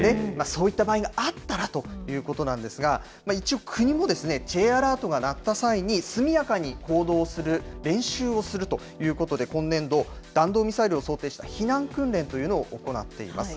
そういった場合があったらということなんですが、一応、国もＪアラートが鳴った際に、速やかに行動する練習をするということで、今年度、弾道ミサイルを想定した避難訓練というのを行っています。